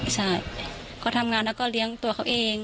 ใช่เขาทำงานแล้วก็เลี้ยงตัวเขาเอง